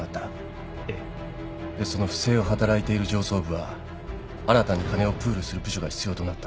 でその不正を働いている上層部は新たに金をプールする部署が必要となった。